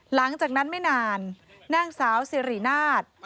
หลังจากนั้นไม่นานนางสาวสิรินาท